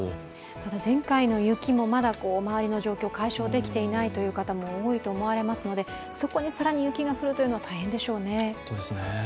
ただ前回の雪もまだ周りの状況、解消できていないという方多いと思われますのでそこに更に雪が降るというのは大変でしょうね。